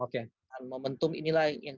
dan momentum inilah yang